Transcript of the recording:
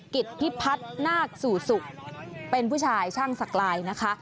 กิจพิพัฒน์นาคสู่สุเป็นผู้ชายช่างสักลายนะคะ